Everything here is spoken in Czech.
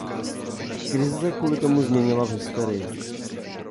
Krize se kvůli tomu změnila v hysterii.